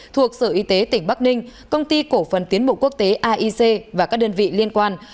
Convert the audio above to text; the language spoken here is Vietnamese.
thuộc sở y tế tỉnh bắc ninh công ty cổ phần tiến mục quốc tế aic và các đơn vị liên quan